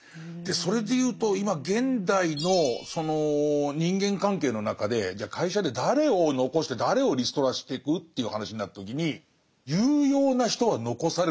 それで言うと今現代のその人間関係の中でじゃあ会社で誰を残して誰をリストラしてく？という話になった時に有用な人は残されると思うんですよ。